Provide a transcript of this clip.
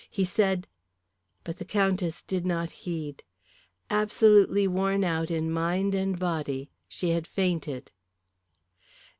He said " But the Countess did not heed. Absolutely worn out in mind and body she had fainted.